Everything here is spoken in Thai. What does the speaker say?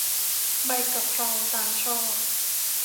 ใบกะเพรา ตามชอบ